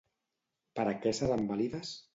Per a què seran vàlides?